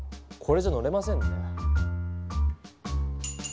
これじゃ乗れませんね。